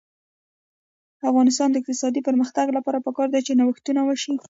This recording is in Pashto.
د افغانستان د اقتصادي پرمختګ لپاره پکار ده چې نوښتونه وشي.